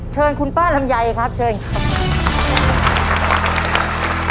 เชิญคุณป้าลำไยครับเชิญครับ